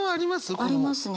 この。ありますね。